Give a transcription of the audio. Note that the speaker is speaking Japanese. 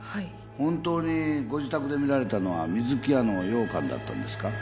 本当にご自宅で見られたのは水木屋の羊羹だったんですか？